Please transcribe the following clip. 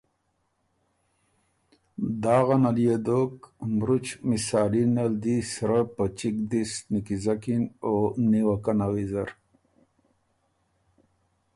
داغه نل يې دوک، مرُچ مسالي نل دی سرۀ په چِګ دِس دِست نیکیزکِن او نیوکنه ویزر۔